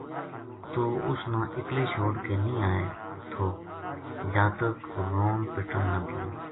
توہ اس نا اکلی چھوڈ کے نیہہ آئے تھو جاتک رون پٹن لگ گیا